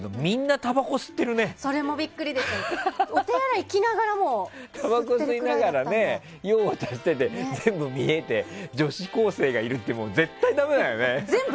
たばこ吸いながら用を足してて全部見えてて女子高生がいるって絶対にダメだよね。